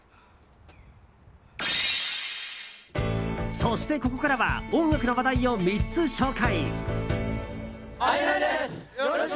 そして、ここからは音楽の話題を３つ紹介。